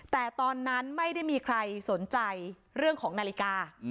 แต่ตอนนั้นไม่ได้มีใครสนใจเรื่องของนาฬิกา